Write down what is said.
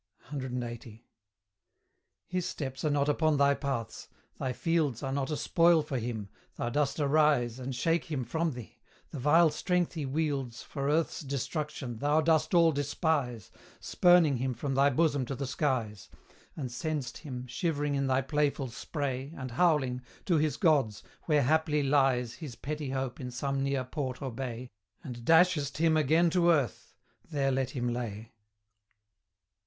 CLXXX. His steps are not upon thy paths, thy fields Are not a spoil for him, thou dost arise And shake him from thee; the vile strength he wields For earth's destruction thou dost all despise, Spurning him from thy bosom to the skies, And send'st him, shivering in thy playful spray And howling, to his gods, where haply lies His petty hope in some near port or bay, And dashest him again to earth: there let him lay.